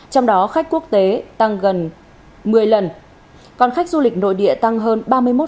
trong đó khách quốc tế tăng gần một mươi lần còn khách du lịch nội địa tăng hơn ba mươi một